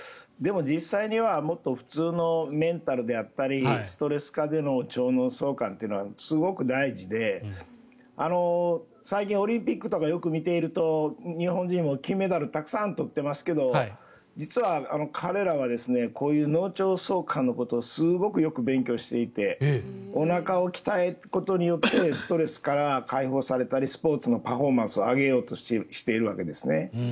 も、実際にはもっと普通のメンタルであったりストレス下での脳腸相関というのがすごく大事で最近、オリンピックとかをよく見ていると日本人も金メダルをたくさん取っていますが実は彼らはこういう脳腸相関のことをすごく勉強していておなかを鍛えることによってスポーツのパフォーマンスを上げようとしているわけですね。